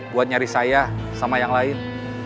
buat nyari saya sama yang lain